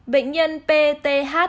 bệnh nhân pth